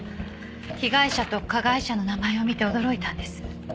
被害者と加害者の名前を見て驚いたんです。